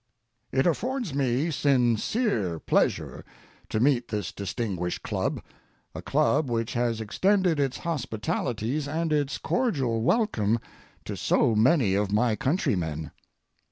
It affords me sincere pleasure to meet this distinguished club, a club which has extended its hospitalities and its cordial welcome to so many of my countrymen.